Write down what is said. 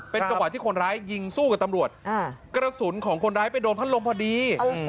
เป็นจังหวะที่คนร้ายยิงสู้กับตำรวจกระสุนของคนร้ายไปโดนพัดลมพอดี